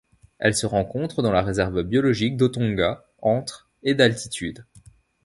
Elle se rencontre dans la réserve biologique d'Otonga entre et d'altitude.